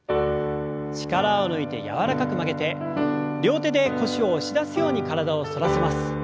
力を抜いて柔らかく曲げて両手で腰を押し出すように体を反らせます。